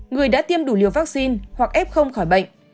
người đã tiêm đủ liều vaccine hoặc f khỏi bệnh